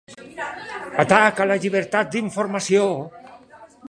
Atac a la llibertat d’informació